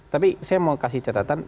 tapi saya mau kasih catatan